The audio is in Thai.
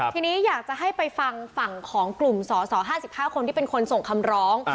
ทีนี้อยากจะให้ไปฟังฝั่งของกลุ่มสส๕๕คนที่เป็นคนส่งคำร้อง